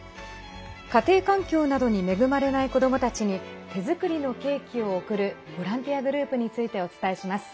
家庭環境などに恵まれない子どもたちに手作りのケーキを贈るボランティアグループについてお伝えします。